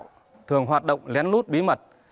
các đối tượng tuyên truyền tà đạo